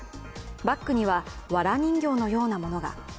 バッグにはわら人形のようなものが。